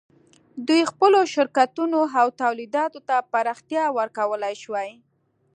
دوی خپلو شرکتونو او تولیداتو ته پراختیا ورکولای شوای.